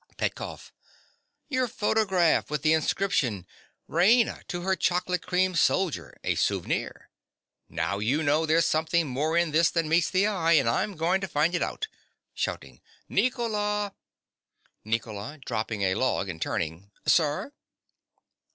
PETKOFF. Your photograph, with the inscription: "Raina, to her Chocolate Cream Soldier—a souvenir." Now you know there's something more in this than meets the eye; and I'm going to find it out. (Shouting) Nicola! NICOLA. (dropping a log, and turning). Sir!